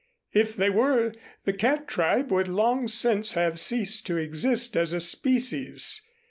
If they were, the cat tribe would long since have ceased to exist as a species.